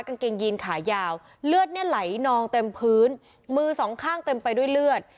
กางเกงยีนขายาวเลือดเนี่ยไหลนองเต็มพื้นมือสองข้างเต็มไปด้วยเลือด